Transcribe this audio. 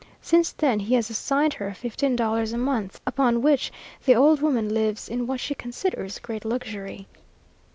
Since then he has assigned her fifteen dollars a month, upon which the old woman lives in what she considers great luxury.